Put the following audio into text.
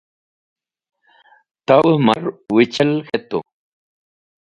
Tawẽ mar wẽchel k̃hetu.